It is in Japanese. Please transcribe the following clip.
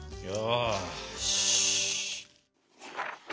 よし。